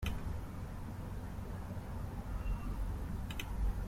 Musicalmente cuenta con un poco más de electrónica más sintetizadores y Piano.